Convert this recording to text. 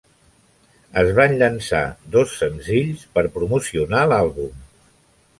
Es van llançar dos senzills per promocionar l'àlbum.